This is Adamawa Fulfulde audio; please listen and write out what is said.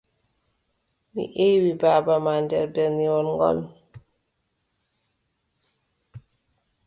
Mi eewi baaba ma nder berniwol ngool.